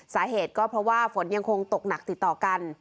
สาเหตุก็เพราะว่าฝนยังคงตกหนักติดต่อกัน